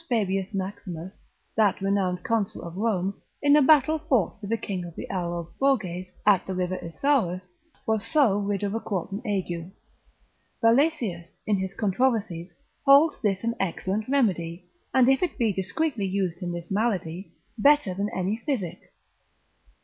Fabius Maximus, that renowned consul of Rome, in a battle fought with the king of the Allobroges, at the river Isaurus, was so rid of a quartan ague. Valesius, in his controversies, holds this an excellent remedy, and if it be discreetly used in this malady, better than any physic.